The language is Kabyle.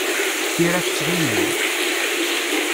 Tira tettɣimi-d.